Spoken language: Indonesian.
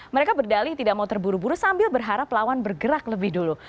mereka berdalih tidak mau terburu buru sambil berharap lawan bergerak lebih dulu